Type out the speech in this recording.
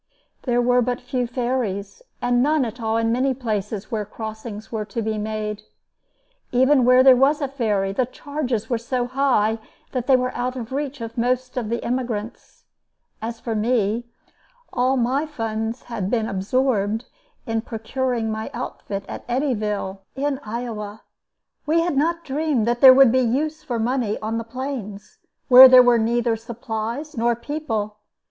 There were but few ferries, and none at all in many places where crossings were to be made. Even where there was a ferry, the charges were so high that they were out of reach of most of the emigrants. As for me, all my funds had been absorbed in procuring my outfit at Eddyville, in Iowa. We had not dreamed that there would be use for money on the Plains, where there were neither supplies nor people.